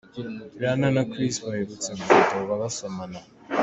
Rihanna na Chris baherutse gufotorwa basomana.